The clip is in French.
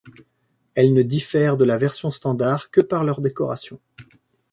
Elles ne diffèrent de la version standard que par leur décoration.